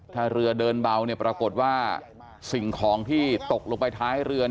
ถ้าเรือเดินเบาปรากฏว่าสิ่งของที่ตกลงไปท้ายเรือ